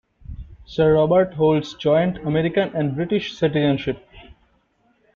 Sir Robert holds joint American and British citizenship.